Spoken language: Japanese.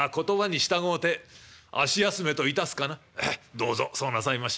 どうぞそうなさいまし。